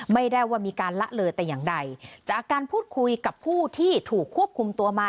ไม่ได้ว่ามีการละเลยแต่อย่างใดจากการพูดคุยกับผู้ที่ถูกควบคุมตัวมา